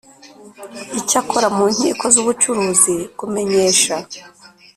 Icyakora mu nkiko z ubucuruzi kumenyesha